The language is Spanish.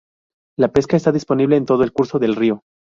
La pesca está disponible en todo el curso del río.